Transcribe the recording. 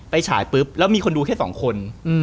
ฉายปุ๊บแล้วมีคนดูแค่๒คน